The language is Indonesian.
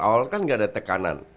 awal kan nggak ada tekanan